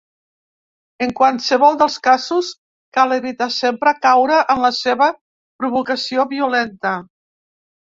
En qualsevol dels casos, cal evitar sempre caure en la seva provocació violenta.